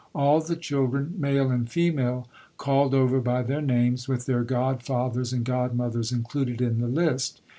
All the children, male and female, called over by their names, with their godfathers and godmothers included in the list